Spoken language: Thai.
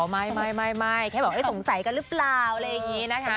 ไม่แค่บอกสงสัยกันหรือเปล่าอะไรอย่างนี้นะคะ